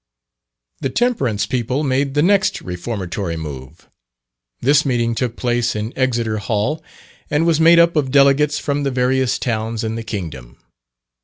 The Temperance people made the next reformatory move. This meeting took place in Exeter Hall, and was made up of delegates from the various towns in the kingdom.